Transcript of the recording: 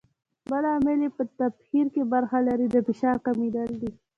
بل عامل چې په تبخیر کې برخه لري د فشار کمېدل دي.